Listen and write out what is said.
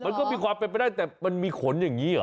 มันก็มีความเป็นไปได้แต่มันมีขนอย่างนี้เหรอ